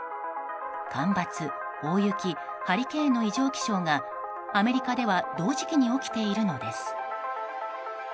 干ばつ、大雪ハリケーンの異常気象がアメリカでは同時期に起きているのです。